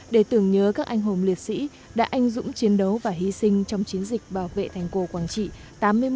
để tưởng nhớ các anh hồn liệt sĩ đã anh dũng chiến đấu và hy sinh trong chiến dịch bảo vệ thành cổ quảng trị tám mươi một ngày đêm năm một nghìn chín trăm bảy mươi hai